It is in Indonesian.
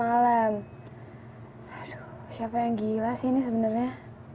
malam siapa yang gila sih ini sebenarnya